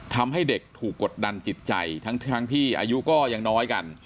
ทำให้เด็กถูกกดดันจิตใจทั้งที่อายุก็ยังน้อยกัน